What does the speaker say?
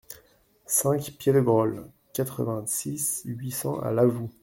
cinq piedegrolle, quatre-vingt-six, huit cents à Lavoux